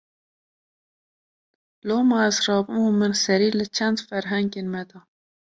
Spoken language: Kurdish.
Loma ez rabûm û min serî li çend ferhengên me da